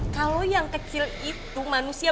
kalau yang kecil itu manusia